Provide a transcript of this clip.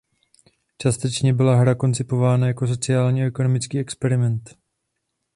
Částečně byla hra koncipována jako sociální a ekonomický experiment.